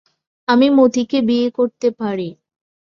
আমি মতিকে বিয়ে করতে পারি।